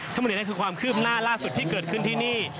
ทั้งหมดนี้คือความคืบหน้าล่าสุดที่เกิดขึ้นที่นี่